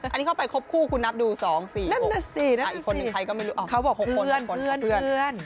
อันนี้เข้าไปครบคู่คุณนับดู๒๔๖อีกคนหนึ่งใครก็ไม่รู้เขาบอก๖คนเพื่อน